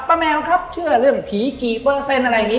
แมวครับเชื่อเรื่องผีกี่เปอร์เซ็นต์อะไรนี้